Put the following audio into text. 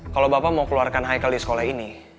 kalau bapak mau keluarkan highl di sekolah ini